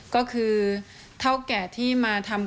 ก็คือเท่าแก่ที่มาทำ